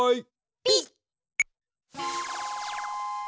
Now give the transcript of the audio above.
ピッ！